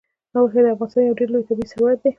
اوښ د افغانستان یو ډېر لوی طبعي ثروت دی.